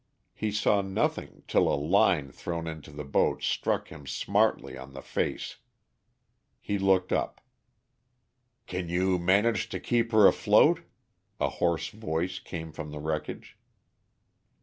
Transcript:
He saw nothing till a line thrown into the boat struck him smartly on the face. He looked up. "Can you manage to keep her afloat?" a hoarse voice came from the wreckage.